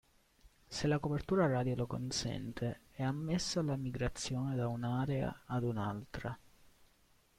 Se la copertura radio lo consente è ammessa la migrazione da un'area ad un'altra.